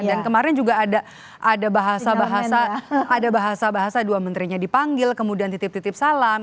dan kemarin juga ada bahasa bahasa dua menterinya dipanggil kemudian titip titip salam